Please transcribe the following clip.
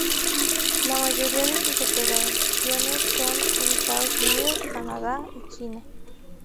La mayoría de sus operaciones son en Estados Unidos, Canadá, y China.